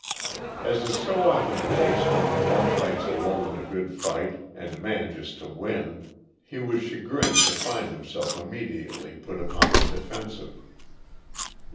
As is so often the case when one fights alone the good fight and manages to win, he was chagrined to find himself immediately put upon the defensive.